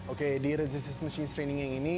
oke di resistance machines training yang ini